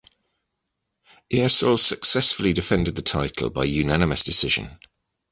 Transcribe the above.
Eersel successfully defended the title by unanimous decision.